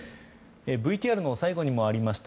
ＶＴＲの最後にもありました